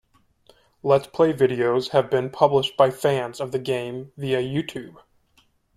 Let's Play videos have been published by fans of the game via Youtube.